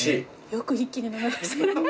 よく一気に飲めましたね。